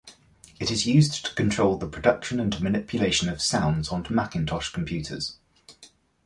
It is used to control the production and manipulation of sounds on Macintosh computers.